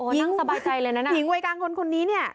โอ้ยนั่งสบายใจเลยแน่นอนหญิงไวยกางคนคนนี้เนี่ย